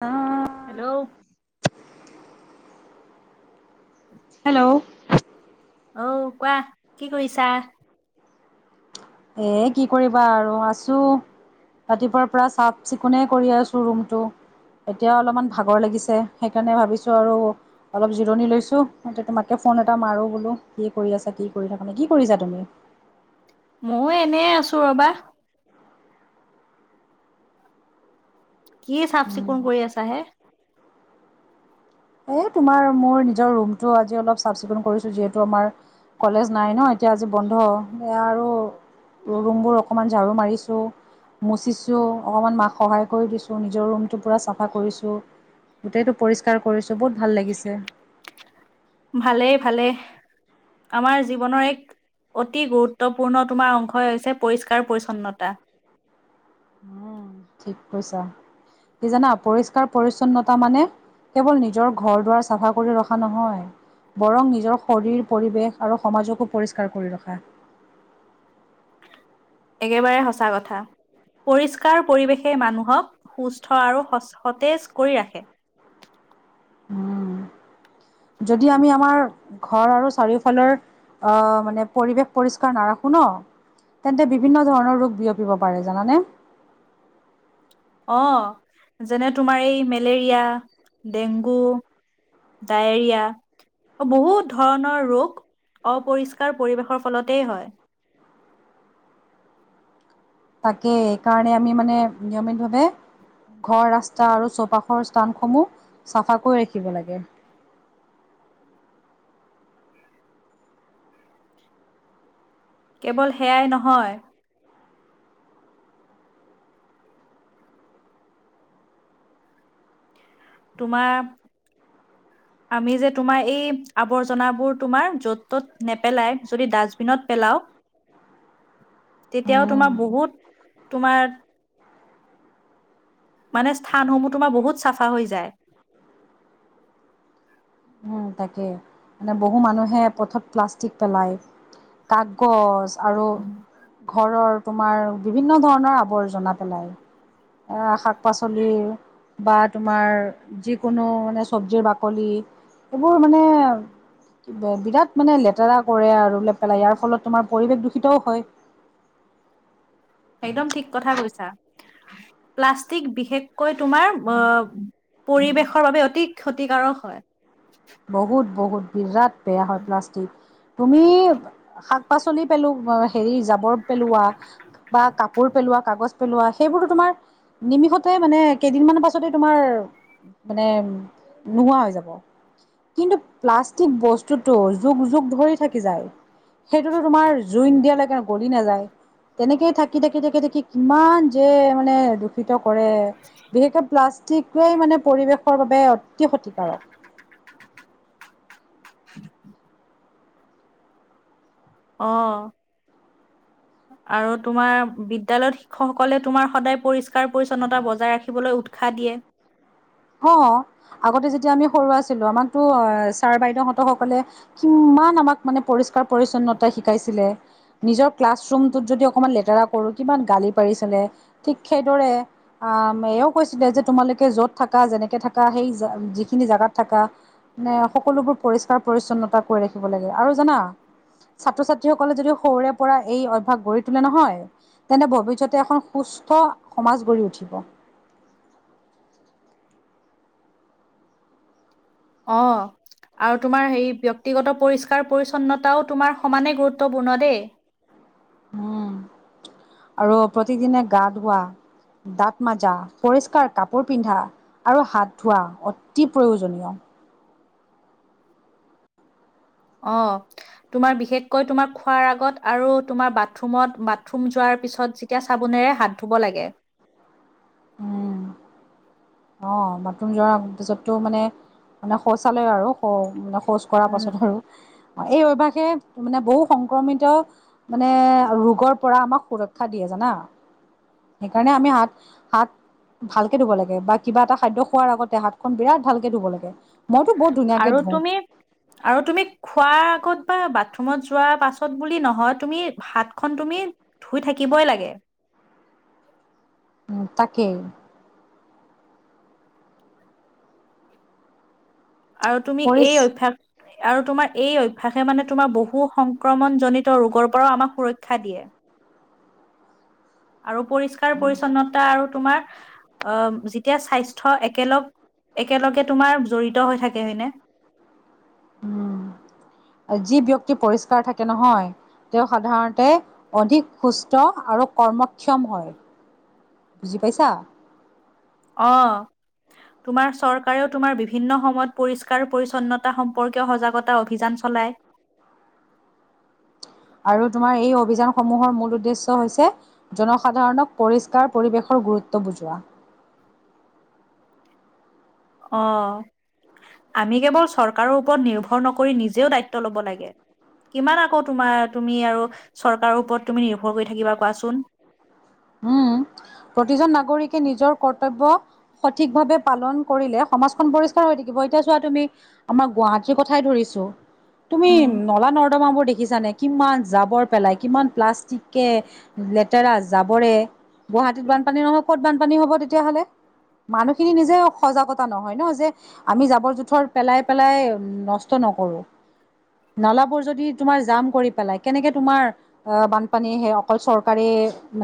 অ'। Hello. Hello. অঔ কোৱা, কি কৰিছা? এ কি কৰিবা আৰু আছো। ৰাতিপুৱাৰ পৰা চাফ চিকুণ এ কৰি আছো ৰুমটো। এতিয়া অলপমান ভাগৰ লাগিছে সেইকাৰণে ভাবিছো আৰু অলপ জিৰণি লৈছো তোমাকে। ফোন এটা মাৰোঁ বোলো কি কৰি আছা কি কৰি থাকানে কি কৰিছা তুমি? ময়ো এনে আছো ৰ'বা। কি চাফ চিকুণ কৰি আছা হে? এ তোমাৰ মোৰ নিজৰ ৰুমটো আজি অলপ চাফ চিকুণ কৰিছো যিহেতু আমাৰ কলেজ নাই ন', এতিয়া আজি বন্ধ এয়া আৰু ৰুমবোৰ অকমান ঝাৰু মাৰিছো মুচিছো অকনমান মাক সহায় কৰি দিছো নিজৰ ৰুমটো পুৰা চাফা কৰিছো গোটটো পৰি কৰিছো বহুত ভাল লাগিছে। ভালেই ভালেই আমাৰ জীৱনৰ এক অতি গুৰুত্বপূৰ্ণ তোমাৰ অংশই হৈছে পৰিষ্কাৰ পৰিচ্ছন্নতা। হ ঠিক কৈছা কি জানা পৰিষ্কাৰ পৰিচ্ছন্নতা মানে কেৱল নিজৰ ঘৰ দুৱাৰ চাফা কৰি ৰখা নহয় বৰং নিজৰ শৰীৰ পৰিৱেশ আৰু সমাজকো পৰিষ্কাৰ কৰি ৰখা একেবাৰে সঁচা কথা পৰিষ্কাৰ পৰিৱেশে মানুহক সুস্থ আৰু সতেজ কৰি ৰাখে উম যদি আমি আমাৰ ঘৰ আৰু চাৰিওফালৰ আহ মানে পৰিৱেশ পৰিষ্কাৰ নাৰাখো ন তেন্তে বিভিন্ন ধৰণৰ ৰোগ বিয়পিব পাৰে জানানে অ যেনে তোমাৰ এই মেলেৰিয়া ডেংগু ডায়েৰিয়াা বহু ধৰণৰ ৰোগ অপৰিষ্কাৰ পৰিৱেশৰ ফলতেই হয় তাকেই এইকাৰণে আমি মানে নিয়মিতভাৱে ঘৰ ৰাস্তা আৰু চৌপাশৰ স্থানসমূহ চাফা কৰিৈ ৰাখিব লাগে কেৱল সেয়াই নহয় তোমাৰ অ আমি যে তোমাৰ এই আৱৰ্জনাবোৰ তোমাৰ য'ত ত'ত নেপেলাই যদি ডাষ্টবিনত পেলাও তেতিয়াও উম তোমাৰ বহুত তোমাৰ মানে স্থানসমূহ তোমাৰ বহুত চাফা হৈ যায় উম তাকে মানে বহু মানুহে পথত প্লাষ্টিক পেলায় কাগজ আৰু ঘৰৰ তোমাৰ বিভিন্ন ধৰণৰ আৱৰ্জনা পেলাই এ শাক পাচলিৰ বা তোমাৰ যিকোনো মানে চব্জিৰ বাকলি এইবোৰ মানে বিৰাট মানে লেতেৰা কৰে আৰু বোলে পেলাই ইয়াৰ ফলত তোমাৰ পৰিৱেশ দূষিতও হয় একদম ঠিক কথা কৈছা প্লাষ্টিক বিশেষকৈ তোমাৰ অ পৰিৱেশৰ বাবে অতি ক্ষতিকাৰক হয় বহুত বহুত বিৰাট বেয়া হয় প্লাষ্টিক তুমি শাক পাচলি পেলো হেৰি জাবৰ পেলোৱা বা কাপোৰ পেলোৱা কাগ পেলোৱা সেইবোৰতো তোমাৰ নিমিষতে মানে কেইদিনমানৰ পাছতে তোমাৰ মানে নোহোৱা হৈ যাব কিন্তু প্লাষ্টিক বস্তুটো যুগ যুগ ধৰি থাকি যায় সেইটোতো তোমাৰ জুইন দাালাগে গলি নাযায় তেনেকেই থাকি থাকি থাকি থাকি কিমান যে মানে দূষিত কৰে বিশেষকে প্লাষ্টিকোৱে মানে পৰিৱেশৰ বাবে অতি ক্ষতিকাৰক উ আহ আৰু তোমাৰ বিদ্্যালয়ত শিক্ষকসকলে তোমাৰ সদায় পৰিষ্কাৰ পৰি্ছন্নতা বজাই ৰাখিবলৈ উৎসাহ দিয়ে অ আগতে যেতিয়া আমি সৰু আছিলো আমাকতো অ ছাৰ বাইদেউহঁত সকলে কি ইমান আমাক মানে পৰিষ্কাৰ পৰিচ্ছন্নতা শিকাইছিলে নিজৰ ক্লাছ ৰুমতটোত যদি অকণমান লেতেৰা কৰো কিমান গালি পাৰিছিলে ঠিক সেইদৰে এও কৈছিলে যে তোমালোকে য'ত থ যেনেকে থাক সেই যিখিনি জোগাত থাককা সকলোবোৰ পৰিষ্কাৰ পৰিছন্নতা কৰি ৰাখিব লাগে আৰু জানা ছাত্ৰ ছাত্ৰী সকলে যদি সৰুৰে পৰা এই অভ্্যাস গঢ়ি তোলে নহয় তেন্তে ভৱিষ্যতে এখন সুস্থ স্ত সমাজ গঢ়ি উঠিব অ আৰু তোমাৰ হেই ব্যক্তিগত পৰিষ্কাৰ পৰিচ্ছন্নতাও তোমাৰ সমানে গুৰুত্বপূৰ্ণ দেই উম আৰু প্ৰতিদিনে গা ধোৱা দাঁত মাজা পৰিষ্কাৰ কাপোৰ পিন্ধা আৰু হাত ধোৱা অতি প্ৰয়োজনীয় অ তোমাৰ বিশেষকৈ তোমাৰ খোৱাৰ আগত আৰু তোমাৰ বাথৰুমত বাথৰুম যোৱাৰ পিছত যেতিয়া চাবোনে হাত ধুব লাগে উম অ বাথৰুম যোৱাৰ পিছতটো মানে মানে শৌচালয় আৰু হ'ষ্ট কৰাৰ পাছতো এই অভ্যাসে মানে বহু সংক্ৰমিত মানে ৰোগৰ পৰা আমাক সুৰক্ষা দিয়ে জানা সেইকাৰণে আমি হাত হাত ভালকে ধুব লাগে বাত কিবা এটা খাদ্য খোৱাৰ আগতে হাতখন বিৰাট ভালকে ধুব লাগে মইতো বহুত ধুনীয়াকে আৰু ধুওঁ তুমি আৰু তুমি খোৱাৰ আগত বা বাথৰুমত যোৱা পাছত বুলি নহয় তুমি হাতখন তুমি ধুই থাকিবই লাগে [unintelligible] তাকেই আৰু তুমি পৰিচ এই অভ্যাস আৰু তোমাৰ এই অভ্যাসে মানে তোমাৰ বহু সংক্ৰমণ জনিত ৰোগৰ পৰাও আমাক সুৰক্ষা দিয়ে আৰু পৰিষ্কাৰ পৰিচ্ছন্নতা আৰু তোমাৰ আহ যেতিয়া স্বাস্থ্য একেলগ একেলগে তোমাৰ জড়িত হৈ থাকে হয়নে উম যি ব্যক্তি পৰিষ্কাৰ থাকে নহয় তেওঁ সাধাৰণতে অধিক সুস্থ আৰু কৰ্মক্ষম হয় বুজি পাইছা অহ তোমাৰ চৰকাৰেও তোমাৰ বিভিন্ন সময়ত পৰিষ্কাৰ পৰিচ্ছন্নতা সম্পৰ্কীয় সজাগতা অভিযান চলায় [unintelligible] আৰু তোমাৰ এই অভিযানসমূহৰ মূল উদ্দেশ্য হৈছে জনসাধাৰণক পৰিষ্কাৰ পৰিৱেশৰ গুৰুত্ব বুজোৱা অহ আমি কেৱল চৰকাৰৰ ওপৰত নিৰ্ভৰ নকৰি নিজেও দায়িত্ব লব লাগে কিমান আকৌ তোমাৰ তুমি আৰু চৰকাৰৰ ওপৰত তুমি নিৰ্ভৰ কৰি থাকিবা কোৱাচোন উম প্ৰতিজন নাগৰিকে নিজৰ কৰ্তব্য সঠিক ভাৱে পালন কৰিলে সমাজখন পৰিষ্কাৰ হৈ থাকিব এতিয়া চোৱা তুমি আমাৰ গুৱাহাটীৰ কথাই ধৰিছো তুমি উম নলা নৰ্দমা বোৰ দেখি দেখিছা কিমান জাবৰ পেলাই কিমান প্লাষ্টিকে লেতেৰা যাবৰে গুৱাহাটীত বানপানী নহয় ক'ত বানপানী হ'ব তেতিয়াহ'লে মানুহখিনি নিজে সজাগতা নহয় ন যে আমি জাবৰ জোথৰ পেলাই পেলাই নষ্ট নকৰো নালাবোৰ যদি তোমাৰ জাম কৰি পেলাই কেনেকে তোমাৰ আ বানপানী মানে সেই অকল চৰকাৰে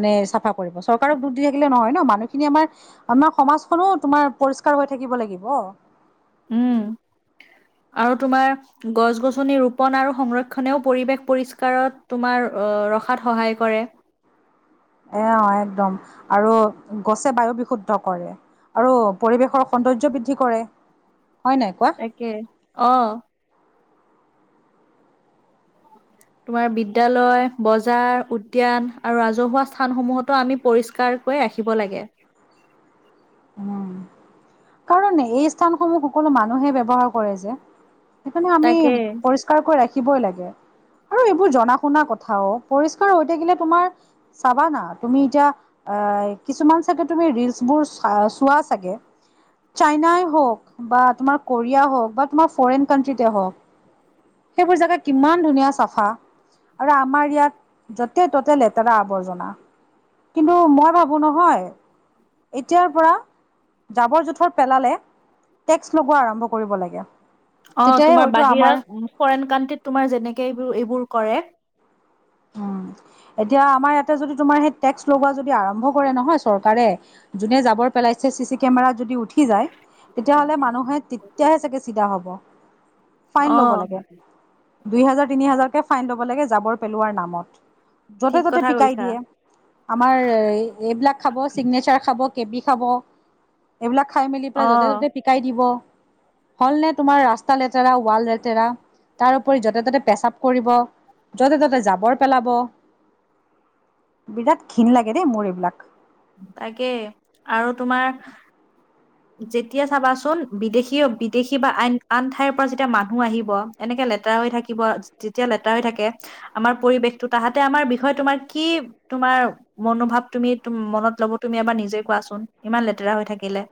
মানে চাফা কৰিব চৰকাৰক দুখ দি থাকিলে নহয় ন মানুহখিনি আমাৰ আমাৰ সমাজখনো তোমাৰ পৰিষ্কাৰ হৈ থাকিব দিব লাগিব উম আৰু তোমাৰ গছ গছনি ৰোপন আৰু সংৰক্ষনেও পৰিৱেশ পৰিষ্কাৰত তোমাৰ অ ৰখাত সহায় কৰে অ একদম আৰু গছে বায়ু বিশুদ্ধ কৰে আৰু পৰিৱেশৰ সৌন্দৰ্য বৃদ্ধি কৰে হয় নাই কোৱা তাকে অ [unintelligible] তোমাৰ বিদ্যালয় বজাৰ উদ্যান আৰু ৰাজহুৱা স্থানসমূহতো আমি পৰিষ্কাৰ কৈ ৰাখিব লাগে [unintelligible] উম কাৰণ এই স্থানসমূহ সকলো মানুহে ব্যৱহাৰ কৰে যে সেইকাৰণে আমি তাকে পৰিষ্কাৰকৈ ৰাখিবই লাগে আৰু এইবোৰ জনা শুনা কথাও পৰিষ্কাৰ হৈ থাকিলে তোমাৰ চাবানা তুমি এতিয়া আহ কিছুমান চাগে তুমি ৰিলচবোৰ চ চোৱা চাগে চাইনাই হওক বা তোমাৰ কৰিিয়াই হওক বা তোমাৰ ফৰেন কানট্ৰিতে হওক সেইবোৰ জেগা কিমান ধুনীয়া চাফা আৰু আমাৰ ইয়াত য'তে ত'তে লেতেৰা আৱৰ্জনা কিন্তু মই ভাবো নহয় এতিয়াৰ পৰা জাবৰ জোথৰ পেলালে টেক্স লগোৱা আৰম্ভ কৰিব লাগে অ তেতিয়াহে তোমাৰ হয়তো বাহিৰা আমাৰ ফৰেইন কাানট্ৰিত তোমাৰ যেনেকে এইবোৰ এইবোৰ কৰে উম এতিয়া আমাৰ ইয়াতে যদি তোমাৰ সেই টেক্স লগোৱা যদি আৰম্ভ কৰে নহয় চৰকাৰে যোনে যাবৰ পেলাইছে চি চি কেমেৰাত যদি উঠি সি যায় তেতিয়াহ'লে মানুহে তেতিয়াহে চাগে চিধা হব ফাইন ল'ব আহ লাগে দুই হাজাৰ তিনি হাজাৰকে ফাইন ল'ব লাগে জাবৰ পেলোৱাৰ নামত য'তে ঠিক ত'তে কথা পিকাই কৈছা দিয়ে আমাৰ এইবিলাক খাব চিগনেচাৰ খাব কেবি খাব এইবিলাক খাই মেলি পেলাই অ য'তে ত'তে পিকাই দিব হল নে তোমাৰ ৰাস্তা লেতেৰা ৱাল লেতেৰা তাৰপৰি য'তে ত'তে পেচাপ কৰিব যতে ততে জাবৰ পেলাব বিৰাট ক্ষণ লাগে দেই মোৰ এইবিলাক তাকে আৰু তোমাৰ যেতিয়া চাবাচোন বিদেশী বিদেশী বা আন আন ঠাইৰ পৰা যেতিয়া মানুহ আহিব এনেকে লেৰা হৈ থাকিব যেতিয়া লেতেৰা হৈ থাকে আমাৰ পৰিবেশটো তাহাতে আমাৰ বিষয়ে তোমাৰ কি তোমাৰ মনোভাৱ তুমি মনত লব তুমি এবাৰ নিজে কোৱাচোন ইমান লেতেৰা হৈ থাকিলে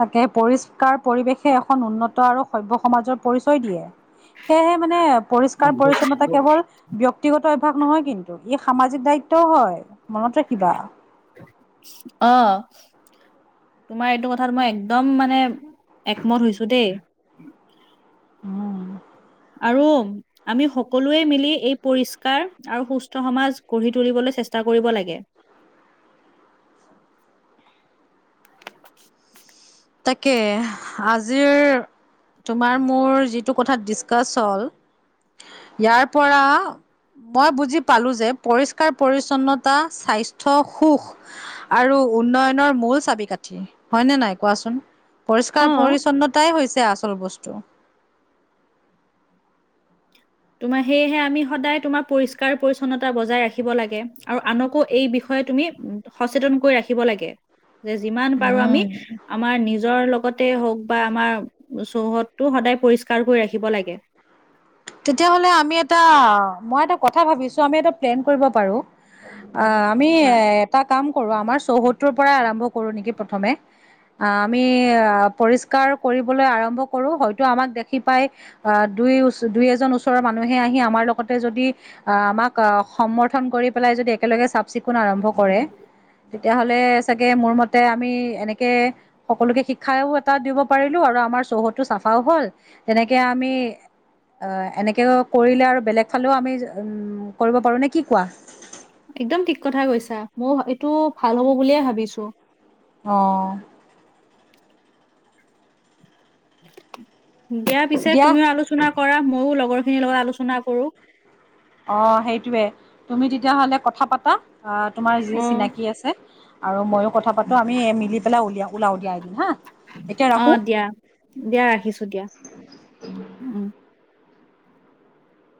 তাকে পৰিষ্কাৰ পৰিৱেশে এখন উন্নত আৰু সভ্ সমাজৰ পৰিচয় দিয়ে সেয়েহে মানে পৰিষ্কাৰ পৰি্ছন্নতা কেৱল ব্য্য়ক্তিগত অভাস নহয় কিন্তু ই সামাজিক দায়িত্বও হয় মনত ৰাখিবা অ তোমাৰ এইটো কথাত মই একদম মানে একমত হৈছো দেই আৰু আমি সকলোৱে মিলি এই পৰিষ্কাৰ আৰু সুস্থ সমাজ গঢ়ি তুলিবলৈ চেষ্টা কৰিব লাগে তাকে আজিৰ তোমাৰ মোৰ যিটো কথাত ডিচকাছ হ'ল ইয়াৰ পৰা মই বুজি পালো যে পৰিষ্কাৰ পৰি্ছন্নতা স্বাস্থ্্য সুখ আৰু উন্নয়নৰ মূল চাবি কাঠি হয়নেে নাই কোৱাচোন পৰিষ্কাৰ অ', পৰিছন্নতাই হৈছে আচল বস্তু তোমাৰ সেয়েহে আমি সদায় তোমাৰ পৰিষ্কাৰ পৰি্ছন্নতা বজাই ৰাখিব লাগে আৰু আনকো এই বিষয় তুমি সচেতন কৰি ৰাখিব লাগে যে যিমান পাৰো উম, আমি আমাৰ নিজৰ লগত হওক বা আমাৰ চৌহদটো সদায় পৰিষ্কাৰ কৰি ৰাখিব লাগে তেতিয়াাহলে আমি এটা মই এটা কথা ভাবিছো আমি এটা প্লেন কৰিব পাৰো অ আমি এ বাহ, এটা কাম কৰো আমাৰ চৌহত্তৰ পৰাই আৰম্ভ কৰো নেকি প্ৰথমে আহ আমি আহ পৰিষ্কাৰ কৰিবলৈ আৰম্ভ কৰো হয়তো আমাক দেখি পাই আহ দুই ই এ ৰ মান আহ আমাৰ লগ যদি আমাক সমৰ্ন কৰি পেল চিকুণ আৰম্ভ কৰে তেতিয়াহ'লে চাগে মোৰ মতে আমি এনেকে সকলোকে শিক্ষাও এটা দিব পাৰিলো আৰু আমাৰ চৌহদটো চাফাও হ'ল তেনেকে আমি অ এনেকে কৰিলে আৰু বেলেগ ফালেও আমি উম কৰিব পাৰো নে কি কোৱা একদম ঠিক কথা কৈছা মই এইটো ভাল হ'ব বুলিয়ে ভাবিছো অ দিয়া পিছে তুমিও আলোচনা কৰা মই লগৰ খিনিৰ লগত আলোচনা কৰো অ সেইটয়ে তুমি তেতিয়াহলে কথা পাতা অ তোমাৰ যি অ', চিনাকি আছে আৰু ময়ো কথা পাতোঁ আমি মিলি পেলাই উলিয়াই ওলাও উলিয়াই এদিন হা এতিয়া অ ৰাখোঁ। দিয়া দিয়া ৰাখিছো দিয়া উম